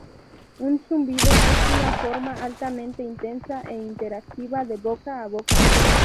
Un zumbido es una forma altamente intensa e interactiva de boca a boca.